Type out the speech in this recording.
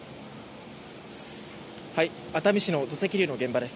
熱海市の土石流の現場です。